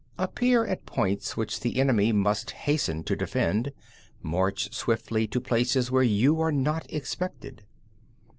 5. Appear at points which the enemy must hasten to defend; march swiftly to places where you are not expected.